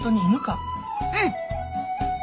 うん。